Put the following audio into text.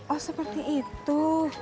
oh seperti itu